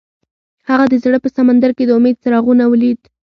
هغه د زړه په سمندر کې د امید څراغ ولید.